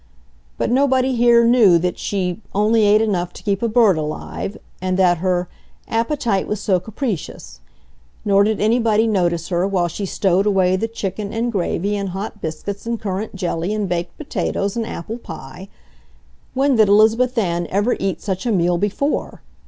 But nobody here knew that she "only ate enough to keep a bird alive," and that her "appetite was SO capricious!" Nor did anybody notice her while she stowed away the chicken and gravy and hot biscuits and currant jelly and baked potatoes and apple pie—when did Elizabeth Ann ever eat such a meal before!